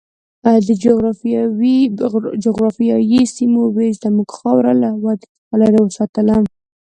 د جغرافیایي سیمو وېش زموږ خاوره له ودې څخه لرې وساتله.